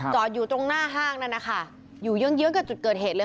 จอดอยู่ตรงหน้าห้างนั่นนะคะอยู่เยื้องเยื้องกับจุดเกิดเหตุเลย